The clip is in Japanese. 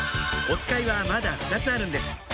おつかいはまだ２つあるんです